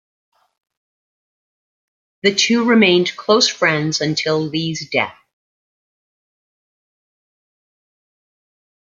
The two remained close friends until Lee's death.